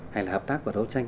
hay là hợp tác và đấu tranh